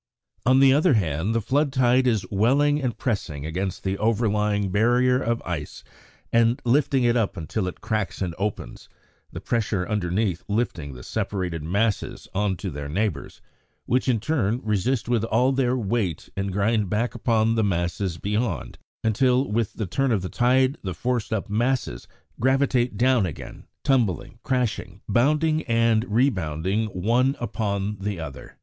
On the other hand, the flood tide is welling and pressing against the overlying barrier of ice and lifting it up until it cracks and opens, the pressure underneath lifting the separated masses on to their neighbours, which in turn resist with all their weight and grind back upon the masses beyond, until with the turn of the tide the forced up masses gravitate down again, tumbling, crashing, bounding and rebounding one upon the other.